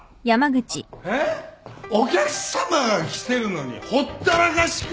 えっ！？お客さまが来てるのにほったらかしか？